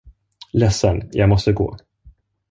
Ledsen, jag måste gå.